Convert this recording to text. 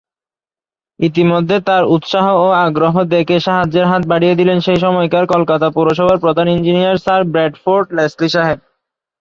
ইতিমধ্যে তার উৎসাহ ও আগ্রহ দেখে সাহায্যের হাত বাড়িয়ে দিলেন সেই সময়কার কলকাতা পুরসভার প্রধান ইঞ্জিনিয়ার স্যার ব্র্যাডফোর্ড লেসলি সাহেব।